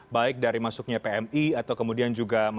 baik dari masuknya pmi atau kemudian juga masyarakat